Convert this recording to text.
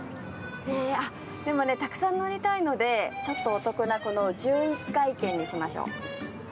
でもたくさん乗りたいのでちょっとお得なこの１１回券にしましょう。